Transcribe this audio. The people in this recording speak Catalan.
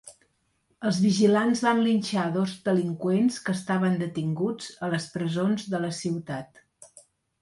Els vigilants van linxar dos delinqüents que estaven detinguts a les presons de la ciutat.